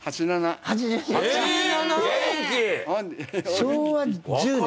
昭和１０年？